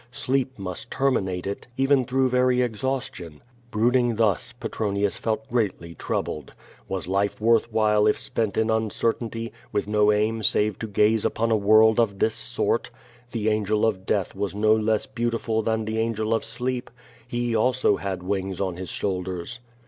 Sleep must terminate it, even through very exhaustion. Brooding thus, Petronius felt greatly troubled. Was life worth while if spent in uncertainty, with no aim save to gaze upon a world of this sort? The angel of death was no less beautiful than the angel of sleep. He also had wings on his shoulders.